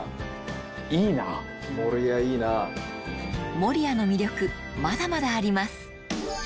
守谷の魅力まだまだあります